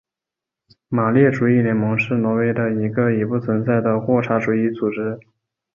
马列主义联盟是挪威的一个已不存在的霍查主义组织。